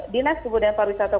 dinas kebudayaan pariwisata